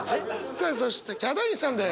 さあそしてヒャダインさんです。